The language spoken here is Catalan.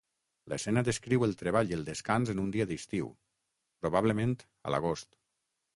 L'escena descriu el treball i el descans en un dia d'estiu, probablement a l'agost.